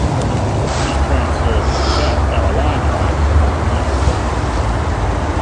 He transferred to South Carolina after one year.